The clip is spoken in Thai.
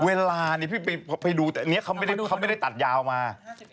เวลาให้ดูเขาไม่ได้ตัดยาวมา